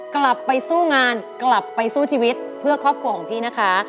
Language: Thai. กลับไปสู้งานกลับไปสู้ชีวิตเพื่อครอบครัวของพี่นะคะ